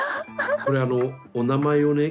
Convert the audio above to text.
これあのお名前をね